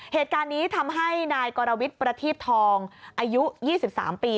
เหตุการณ์นี้ทำให้นายกรวิทย์ประทีบทองอายุ๒๓ปี